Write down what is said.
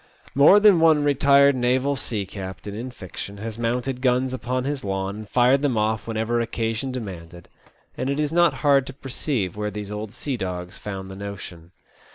More than 8 no TEE OLD SEA VOG. one retired naval sea captain in fiction has mounted guns upon his lawn and fired them off whenever occasion demanded, and it is not hard to perceive where these old sea dogs found the notion.